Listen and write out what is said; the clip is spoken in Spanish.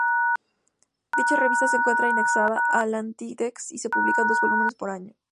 Dicha revista se encuentra indexada a Latindex y se publican dos volúmenes por año.